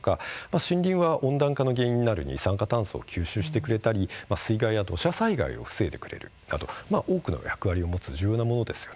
森林は温暖化の原因になる二酸化炭素を吸収してくれたり水害や土砂災害を防いでくれるなど大きな役割を持つ重要なものです。